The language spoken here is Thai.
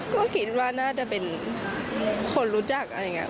ก็คิดว่าน่าจะเป็นคนรู้จักอะไรอย่างนี้